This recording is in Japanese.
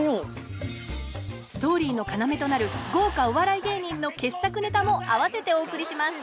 ストーリーの要となる豪華お笑い芸人の傑作ネタも併せてお送りします